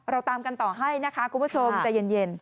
เราตามกันต่อให้นะคะคุณผู้ชมใจเย็น